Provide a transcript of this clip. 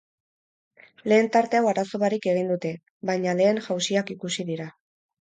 Lehen tarte hau arazo barik egin dute, baina lehen jausiak ikusi dira.